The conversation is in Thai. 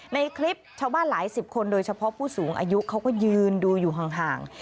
ในคลิปชาวบ้านหลายสิบคนโดยเฉพาะผู้สูงอายุเขาก็ยืนดูอยู่ห่าง